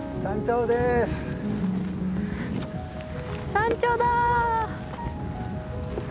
山頂だ。